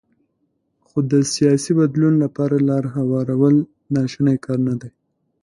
خو د سیاسي بدلون لپاره لاره هوارول ناشونی کار نه دی.